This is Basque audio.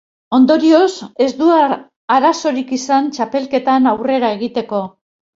Ondorioz, ez du arazorik izan txapelketan aurrera egiteko.